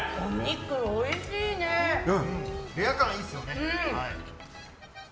レア感いいですよね。